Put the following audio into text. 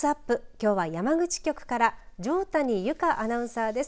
きょうは山口局から条谷有香アナウンサーです。